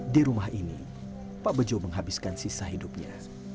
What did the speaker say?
di rumah ini pak bejo menghabiskan sisa hidupnya